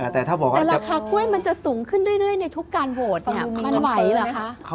แต่ถ้าบอกว่าราคากล้วยมันจะสูงขึ้นเรื่อยในทุกการโหวตมันไหวเหรอคะ